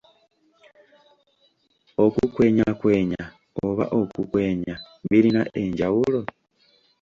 Okukwenyakwenya oba okukwenya birina enjawulo?